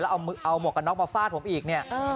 แล้วเอาหมวกกับน้องมาฟาดผมอีกเนี่ย